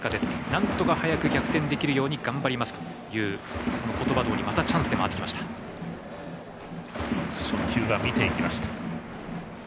なんとか早く逆転できるように頑張りますという言葉どおりまたチャンスで回ってきました。